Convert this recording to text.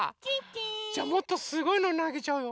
じゃあもっとすごいのなげちゃうよ。